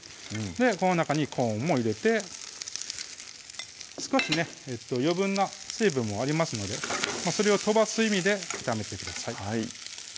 この中にコーンも入れて少しね余分な水分もありますのでそれを飛ばす意味で炒めてください